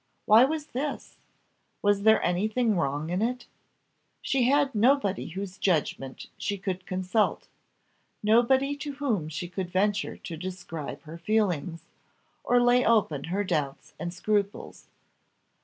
Why was this? Was there any thing wrong in it? She had nobody whose judgment she could consult nobody to whom she could venture to describe her feelings, or lay open her doubts and scruples.